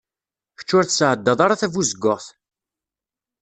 Kečč ur tsɛeddaḍ ara tabuzeggaɣt.